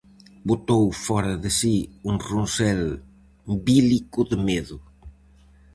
Botou fóra de si un ronsel bílico de medo.